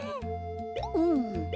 うん。